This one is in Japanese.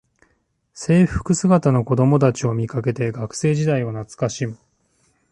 制服姿の子どもたちを見かけて学生時代を懐かしむ